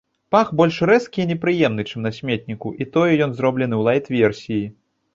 Пах больш рэзкі і непрыемны, чым на сметніку, і тое ён зроблены ў лайт-версіі.